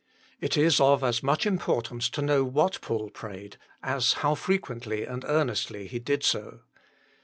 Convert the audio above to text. It is of as much importance to know what Paul prayed, as how frequently and earnestly he did so.